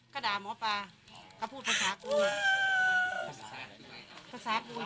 ก็ด่าหมอปลาก็พูดภาษากูล